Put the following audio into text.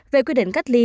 về quy định cách ly